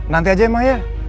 nanti aja emang ya